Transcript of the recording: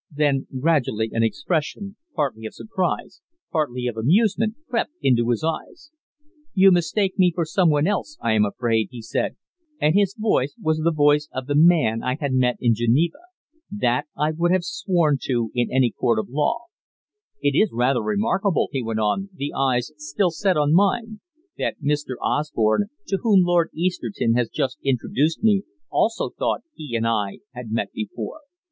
Then gradually an expression, partly of surprise, partly of amusement, crept into his eyes. "You mistake me for someone else, I am afraid," he said, and his voice was the voice of the man I had met in Geneva that I would have sworn to in any court of law, "It is rather remarkable," he went on, his eyes still set on mine, "that Mr. Osborne, to whom Lord Easterton has just introduced me, also thought he and I had met before."